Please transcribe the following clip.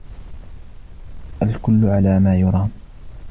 الكلّ على ما يُرام.